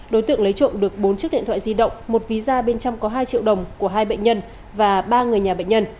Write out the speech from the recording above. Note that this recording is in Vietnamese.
đối tượng lấy trộm được bốn chiếc điện thoại di động một ví da bên trong có hai triệu đồng của hai bệnh nhân và ba người nhà bệnh nhân